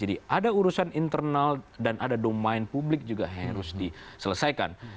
jadi ada urusan internal dan ada domain publik juga yang harus diselesaikan